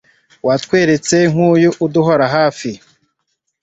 watweretse y'uko uduhora hafi